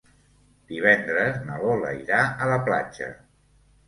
Divendres na Lola irà a la platja.